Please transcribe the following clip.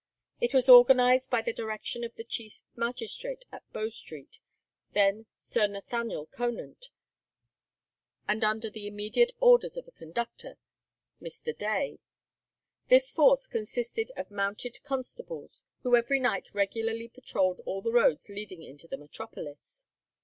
It was organized by the direction of the chief magistrate at Bow Street, then Sir Nathaniel Conant, and under the immediate orders of a conductor, Mr. Day. This force consisted of mounted constables, who every night regularly patrolled all the roads leading into the metropolis.